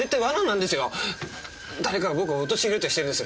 誰かが僕を陥れようとしてるんです。